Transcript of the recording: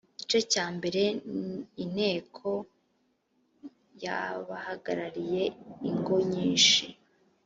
igice cya mbere inteko y abahagarariye ingo nyinshi